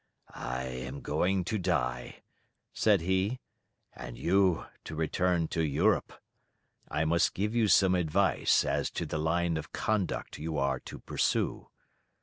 "I am going to die," said he, "and you to return to Europe; I must give you some advice as to the line of conduct you are to pursue.